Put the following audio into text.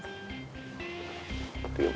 tiga puluh menit ya